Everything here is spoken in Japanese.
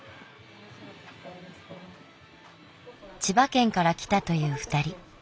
千葉県から来たという２人。